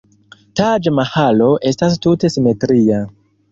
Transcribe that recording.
Taĝ-Mahalo estas tute simetria.